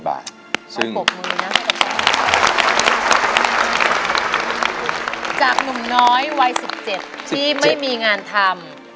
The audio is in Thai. หนุ่มน้อยวัย๑๗ที่ไม่มีงานทำ